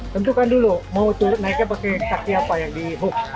tentukan dulu mau turun naiknya pakai kaki apa yang dihuk